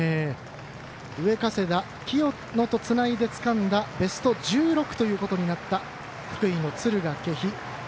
上加世田、清野とつないでつかんだベスト１６ということになった福井、敦賀気比。